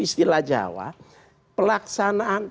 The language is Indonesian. istilah jawa pelaksanaan